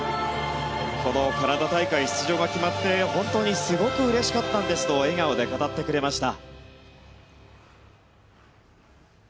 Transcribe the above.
このカナダ大会出場が決まって本当にすごくうれしかったんですと笑顔で語ってくれました。